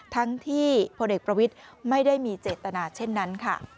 ทั้งที่พลเอกประวิทย์ไม่ได้มีเจตนาเช่นนั้นค่ะ